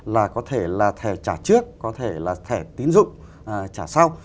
là có thể là thẻ trả trước có thể là thẻ tín dụng trả sau